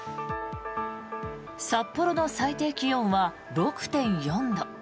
札幌の最低気温は６．４度。